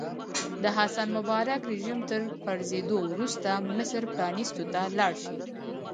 د حسن مبارک رژیم تر پرځېدو وروسته مصر پرانیستو ته لاړ شي.